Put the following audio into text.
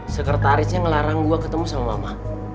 sekretarisnya ngelarang gue ketemu sama mama